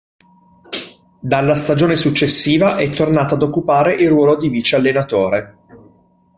Dalla stagione successiva è tornato ad occupare il ruolo di vice allenatore.